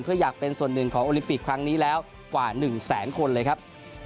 เพื่ออยากเป็นส่วนหนึ่งของโอลิมปิกครั้งนี้แล้วกว่า๑แสนคนเลยครับ